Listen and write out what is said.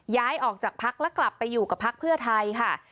ย้ายออกจากพักแล้วกลับไปอยู่กับพักเพื่อไทยค่ะ